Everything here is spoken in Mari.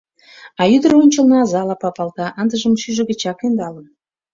А ӱдыр ончылныжо азала папалта, ындыжым шӱйжӧ гычак ӧндалын.